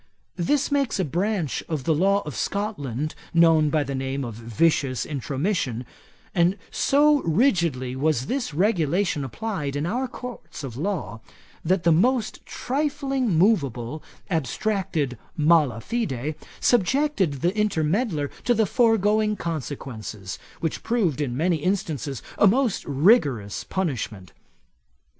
This makes a branch of the law of Scotland, known by the name of vicious intromission; and so rigidly was this regulation applied in our Courts of Law, that the most trifling moveable abstracted mala fide, subjected the intermeddler to the foregoing consequences, which proved in many instances a most rigorous punishment.